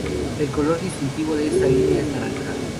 El color distintivo de esta línea es el naranja.